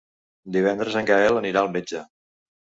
Divendres en Gaël anirà al metge.